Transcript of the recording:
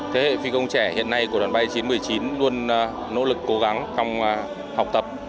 thế hệ phi công trẻ hiện nay của đoàn bay chín trăm một mươi chín luôn nỗ lực cố gắng trong học tập